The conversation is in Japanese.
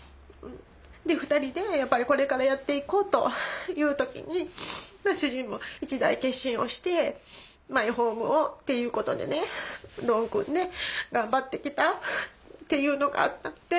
で２人でやっぱりこれからやっていこうという時に主人も一大決心をしてマイホームをっていうことでねローンを組んで頑張ってきたっていうのがあったので。